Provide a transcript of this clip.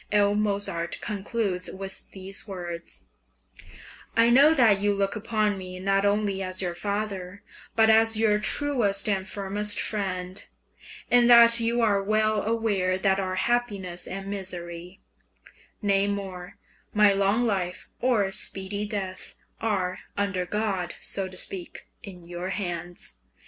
L. Mozart concludes with the words: I know that you look upon me not only as your father, but as your truest and firmest friend; and that you are well aware that our happiness and misery nay more, my long life or speedy death are, under God, so to speak, in your hands.